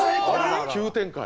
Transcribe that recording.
急展開。